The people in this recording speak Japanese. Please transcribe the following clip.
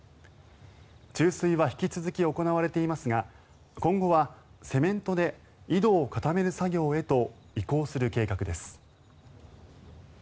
注水は引き続き行われていますが今後はセメントで井戸を固める作業へと移行する計画です。